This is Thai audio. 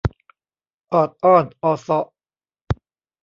ออดอ้อนออเซาะ